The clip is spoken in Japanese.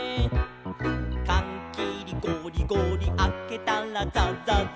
「かんきりゴリゴリあけたらザザザ」